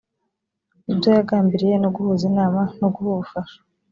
ibyo yagambiriye no guhuza inama no guha ubufasha